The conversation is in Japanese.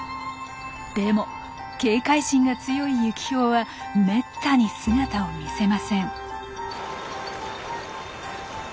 でも警戒心が強いユキヒョウはめったに姿を見せません。